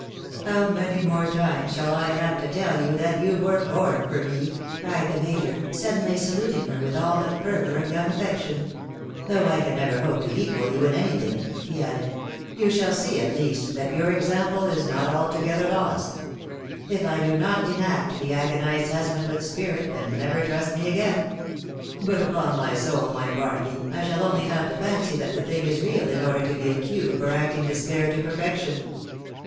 " How many more times shall I have to tell you that you were born for me ?" cried the major, suddenly saluting her with all the fervour of young affection ;" though I can never hope to equal you in anything,'' he added, " you shall see at least that your example is not altogether lost. If I do not enact the agonised husband with spirit, then never trust me again. But upon my soul, my Barnaby, I shall only have to fancy that the thing is real in order to be in cue for acting despair to perfection."